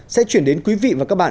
sẽ chuyển đến quý vị và các bạn